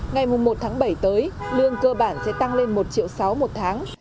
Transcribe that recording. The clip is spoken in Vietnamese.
ngày một tháng bảy tới lương cơ bản sẽ tăng lên một triệu sáu một tháng